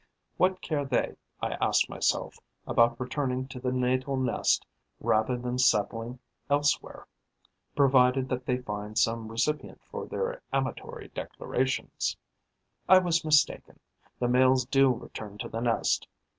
What care they, I ask myself, about returning to the natal nest rather than settling elsewhere, provided that they find some recipient for their amatory declarations? I was mistaken: the males do return to the nest.